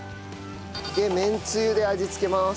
でめんつゆで味付けます。